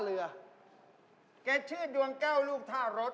ไงชื่อโดงแก้วลูกธาลัด